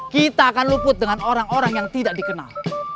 kita akan luput dengan orang orang yang tidak dikenal